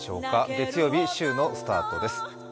月曜日、週のスタートです。